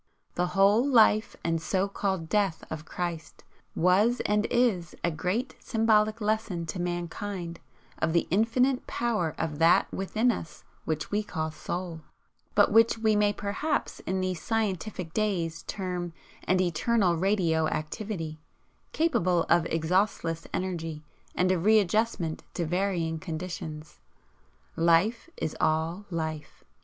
The whole life and so called 'death' of Christ was and is a great symbolic lesson to mankind of the infinite power of THAT within us which we call SOUL, but which we may perhaps in these scientific days term an eternal radio activity, capable of exhaustless energy and of readjustment to varying conditions. Life is all Life.